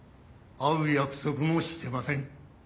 会う約束もしてません。